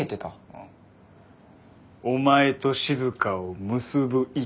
お前と静を結ぶ糸。